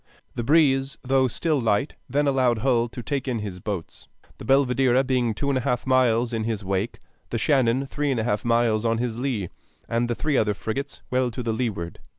The breeze, though still light, then allowed Hull to take in his boats, the Belvidera being two and a half miles in his wake, the Shannon three and a half miles on his lee, and the three other frigates well to leeward.